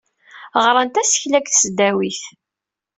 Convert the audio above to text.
Ɣran tasekla deg tesdawit.